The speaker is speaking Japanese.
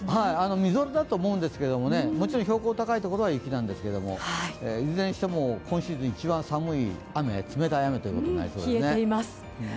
みぞれだと思うんですけど、もちろん標高高いところは雪なんですけれども、いずれにしても今シーズン一番寒い雨となっています。